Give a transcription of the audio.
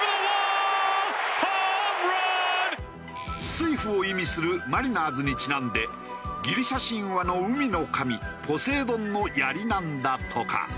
「水夫」を意味するマリナーズにちなんでギリシャ神話の海の神ポセイドンの槍なんだとか。